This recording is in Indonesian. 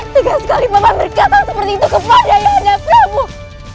tidak sekali pak man berkata seperti itu kepada ayahnya pak man